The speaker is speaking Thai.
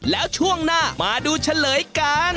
แล้วช่วงหน้ามาดูเฉลยกัน